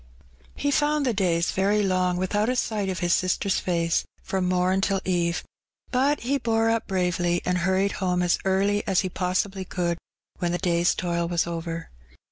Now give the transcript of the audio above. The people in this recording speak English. He found the days very long without a sight of his sister's face from mom till eve. But he bore up bravely, and hurried home as early as he possibly could when the day's toil was over.